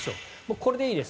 これでいいです。